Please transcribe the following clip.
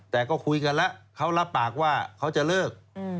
แต่ก็คุยกันแล้วเขารับปากว่าเขาจะเลิก